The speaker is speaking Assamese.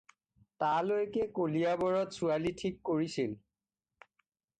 তালৈকে কলিয়াবৰত ছোৱালী ঠিক কৰিছিল।